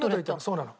そうなの。